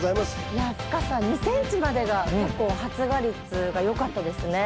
いや深さ２ｃｍまでが結構発芽率がよかったですね。